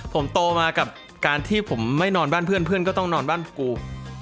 ผมโตมากับการที่ผมไม่นอนบ้านเพื่อนเพื่อนก็ต้องนอนบ้านกู